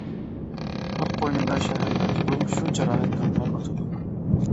پار قوينىدا شەھەر ياتىدۇ، شۇنچە راھەت تاڭلار ئاتىدۇ.